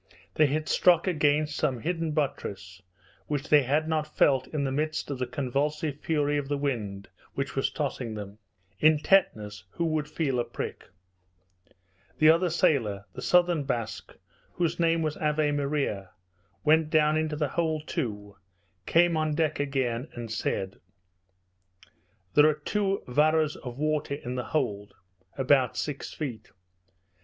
They had struck against some hidden buttress which they had not felt in the midst of the convulsive fury of the wind which was tossing them. In tetanus who would feel a prick? The other sailor, the southern Basque, whose name was Ave Maria, went down into the hold, too, came on deck again, and said, "There are two varas of water in the hold." About six feet.